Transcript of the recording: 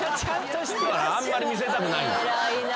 だからあんまり見せたくない。